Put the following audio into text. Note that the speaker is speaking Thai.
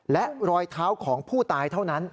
และรอยเท้าของผู้ตายเท่านั้น